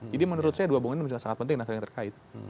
jadi menurut saya dua poin ini memang sangat penting dan sangat terkait